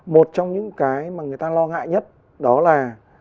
một trong những cái mà người ta lo ngại nhất đó là